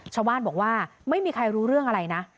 ชาวบ้านบอกว่าไม่มีใครรู้เรื่องอะไรนะ